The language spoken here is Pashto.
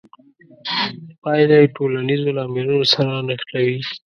پایله یې ټولنیزو لاملونو سره نښلوي.